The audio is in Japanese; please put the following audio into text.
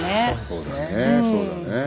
そうだねえそうだねえ。